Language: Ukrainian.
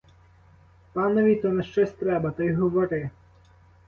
Панові то нащось треба, то й говори.